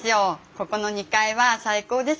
ここの２階は最高です。